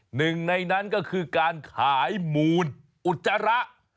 หนึ่งในนั้นก็คือการขายมูลอุจจาระ